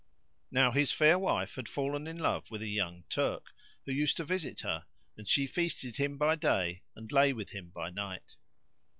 Now his fair wife had fallen in love with a young Turk, [FN#91] who used to visit her, and she feasted him by day and lay with him by night.